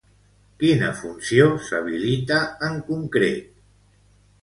Quina funció s'habilita en concret?